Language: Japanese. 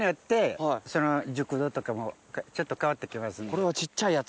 これは小っちゃいやつ。